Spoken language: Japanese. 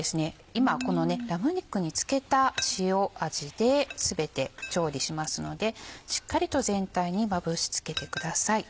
今このラム肉に付けた塩味で全て調理しますのでしっかりと全体にまぶし付けてください。